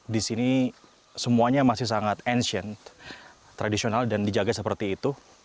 di sini semuanya masih sangat ancient tradisional dan dijaga seperti itu